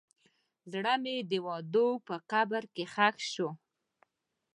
زړه مې د وعدو په قبر کې ښخ شو.